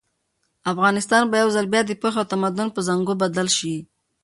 افغانستان به یو ځل بیا د پوهې او تمدن په زانګو بدل شي.